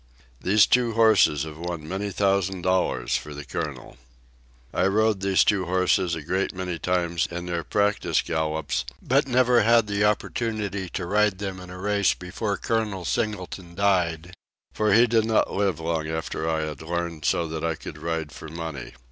These two horses have won many thousand dollars for the the colonel. I rode these two horses a great many times in their practice gallops, but never had the opportunity to ride them in a race before Col. Singleton died, for he did not live long after I had learned so that I could ride for money.